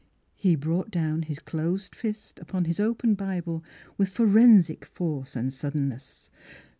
He brought down his closed fist upon his open Bible with forensic force and suddenness.